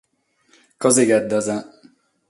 Cosigheddas.